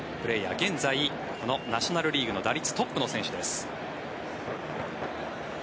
現在このナショナル・リーグの打率トップの選手です。